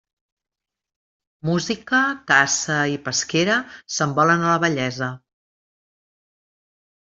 Música, caça i pesquera, se'n volen a la vellesa.